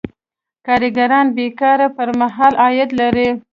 کارګران بې کارۍ پر مهال عاید لري.